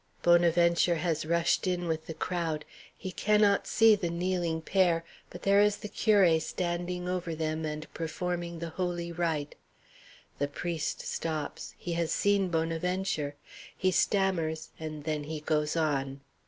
Bonaventure has rushed in with the crowd. He cannot see the kneeling pair; but there is the curé standing over them and performing the holy rite. The priest stops he has seen Bonaventure! He stammers, and then he goes on.